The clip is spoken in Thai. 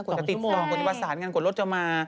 กว่าจะติดลองกว่าจะมาสารเงินกว่ารถจะมา